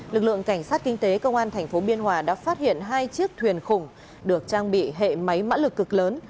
lực lượng cảnh sát kinh tế công an tp biên hòa đã phát hiện hai chiếc thuyền khủng được trang bị hệ máy mã lực cực lớn